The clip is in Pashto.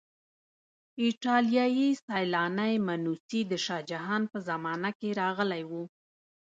ایټالیایی سیلانی منوسي د شاه جهان په زمانه کې راغلی و.